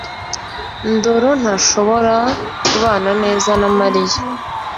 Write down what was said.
ndoro ntashobora kubana neza na Mariya